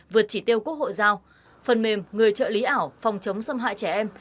vượt chỉ tiêu quốc hội giao phần mềm người trợ lý ảo phòng chống xâm hại trẻ em